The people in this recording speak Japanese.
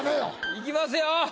いきますよ。